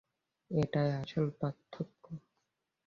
এটাই আসল পার্থক্য।